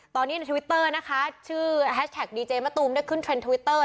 ตอนนี้ในทวิตเตอร์นะคะชื่อแฮชแท็กดีเจมะตูมได้ขึ้นเทรนดทวิตเตอร์